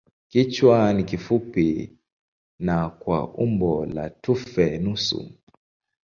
Kichwa ni kifupi na kwa umbo la tufe nusu.